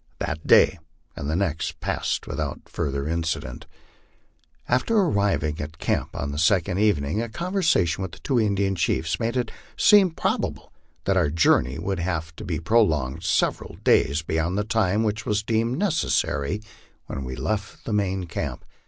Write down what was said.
That day and the next passed without further incident. After arriving at camp on the second evening, a conversation with the two Indian chiefs made it seem probable that our journey would have to be prolonged several days beyond the time which was deemed necessary when we left the main camp.